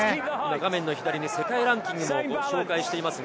画面、左に世界ランキングを紹介しています。